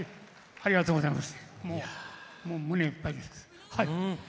ありがとうございます。